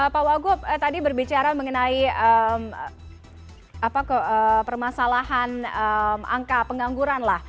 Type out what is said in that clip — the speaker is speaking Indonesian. pak wagup tadi berbicara mengenai permasalahan angka pengangguran